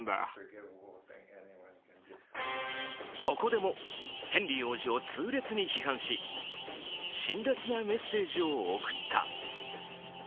ここでもヘンリー王子を痛烈に批判し辛辣なメッセージを送った。